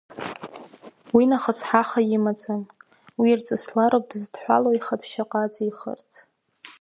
Уинахыс ҳаха имаӡам, уи ирҵыслароуп дзыдҳәалоу аихатәы шьаҟа ыҵихырц.